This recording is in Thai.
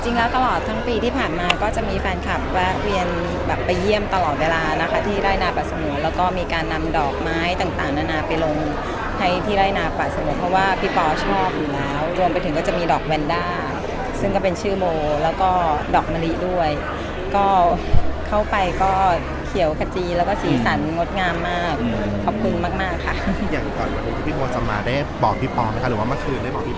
จริงแล้วตลอดทั้งปีที่ผ่านมาก็จะมีแฟนคลับแวะเวียนแบบไปเยี่ยมตลอดเวลานะคะที่ไล่นาปัสสมวนแล้วก็มีการนำดอกไม้ต่างนานาไปลงให้ที่ไล่นาปัสสมวนเพราะว่าพี่ปอชอบอยู่แล้วรวมไปถึงก็จะมีดอกแวนด้าซึ่งก็เป็นชื่อโมแล้วก็ดอกมะลิ้นด้วยก็เข้าไปก็เขียวขจีแล้วก็สีสันงดงามมากขอบคุ